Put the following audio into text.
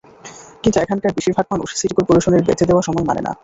কিন্তু এখানকার বেশির ভাগ মানুষ সিটি করপোরেশনের বেঁধে দেওয়া সময় মানেন না।